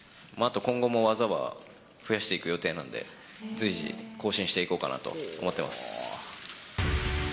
あと今後も技は増やしていく予定なんで、随時、更新していこうかなと思っています。